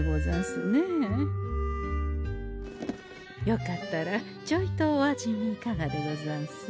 よかったらちょいとお味見いかがでござんす？